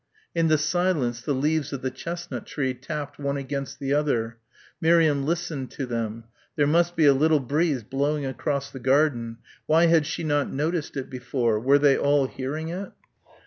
In the silence the leaves of the chestnut tree tapped one against the other. Miriam listened to them ... there must be a little breeze blowing across the garden. Why had she not noticed it before? Were they all hearing it?